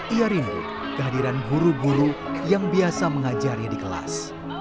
ia rindu kehadiran guru guru yang biasa mengajarnya di kelas